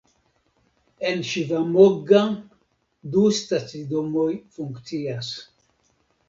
En Ŝivamogga du stacidomoj funkcias.